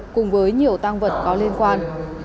cùng với nhiều tăng vật có liên quan